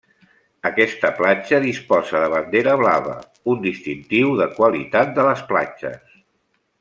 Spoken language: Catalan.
Aquesta platja disposa de bandera blava, un distintiu de qualitat de les platges.